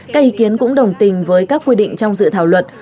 các ý kiến cũng đồng tình với các quy định trong dự thảo luật